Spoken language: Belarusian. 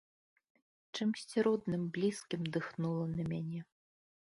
Чымсьці родным, блізкім дыхнула на мяне.